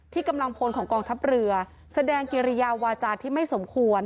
กำลังพลของกองทัพเรือแสดงกิริยาวาจาที่ไม่สมควร